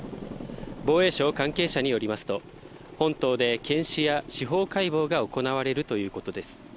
防衛省関係者によりますと本島で検視や司法解剖が行われるということです。